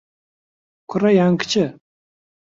کوڕە یان کچە؟